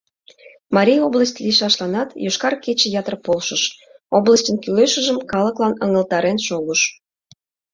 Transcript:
Марий область лийшашланат «Йошкар кече» ятыр полшыш, областьын кӱлешыжым калыклан ыҥылтарен шогыш.